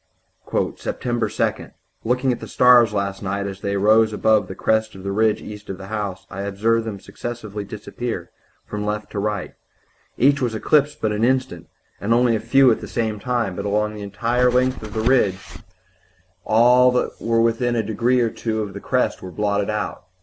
... "Sept 2. Looking at the stars last night as they rose above the crest of the ridge east of the house, I observed them successively disappear from left to right. Each was eclipsed but an instant, and only a few at the same time, but along the entire length of the ridge all that were within a degree or two of the crest were blotted out.